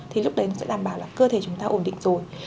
thì lúc đấy sẽ đảm bảo là cơ thể chúng ta ổn định rồi